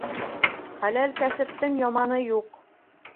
Хәләл кәсептең яманы юҡ.